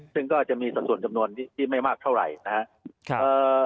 ซึ่งก็จะมีสัดส่วนจำนวนที่ไม่มากเท่าไหร่นะครับ